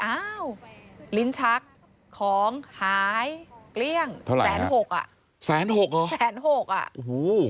อ้าวลิ้นชักของหายเกลี้ยงเท่าแสนหกอ่ะแสนหกเหรอแสนหกอ่ะโอ้โห